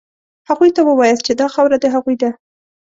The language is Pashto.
هغوی ته ووایاست چې دا خاوره د هغوی ده.